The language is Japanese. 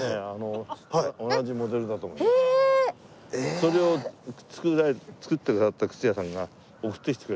それを作ってくださった靴屋さんが送ってきてくれたの。